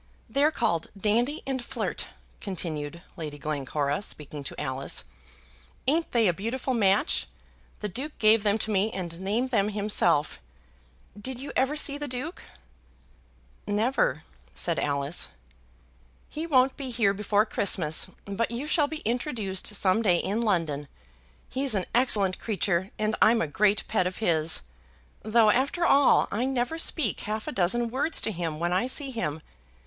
"They're called Dandy and Flirt," continued Lady Glencora, speaking to Alice. "Ain't they a beautiful match? The Duke gave them to me and named them himself. Did you ever see the Duke?" [Illustration: "Baker, you must put Dandy in the bar."] "Never," said Alice. "He won't be here before Christmas, but you shall be introduced some day in London. He's an excellent creature and I'm a great pet of his; though, after all, I never speak half a dozen words to him when I see him.